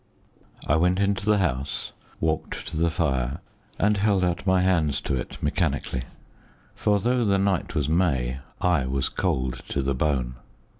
I went into the house, walked to the fire, and held out my hands to it mechanically, for, though the night was May, I was cold to the bone.